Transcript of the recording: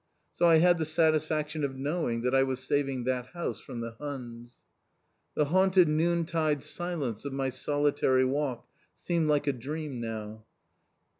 So I had the satisfaction of knowing that I was saving that house from the Huns. The haunted noontide silence of my solitary walk seemed like a dream now.